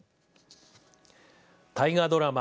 大河ドラマ